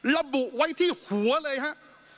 ระบุไว้ที่หัวเลยครับ